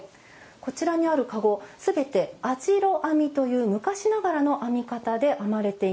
こちらにある籠全て網代編みという昔ながらの編み方で編まれています。